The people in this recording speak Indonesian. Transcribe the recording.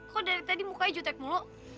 kok dari tadi mukanya jutek mulu